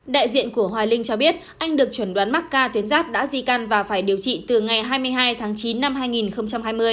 đại diện của hoài linh cho biết anh được chuẩn đoán mắc ca tuyến giáp đã di căn và phải điều trị từ ngày hai mươi hai tháng chín năm hai nghìn hai mươi